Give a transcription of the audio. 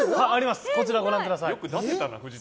こちらご覧ください。